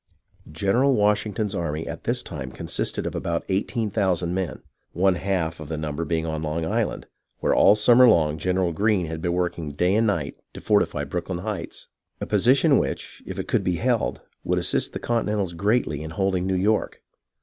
General Washington's army at this time consisted of about eighteen thousand men, one half of the number be ing on Long Island, where all summer long General Greene had been working day and night to fortify Brooklyn Heights, a position which, if it could be held, would assist the Continentals greatly in holding New York.